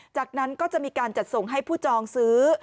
จากนั้นก็จะมีการจัดส่งให้ผู้จองซื้อ